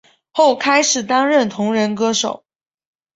后开始担任同人歌手。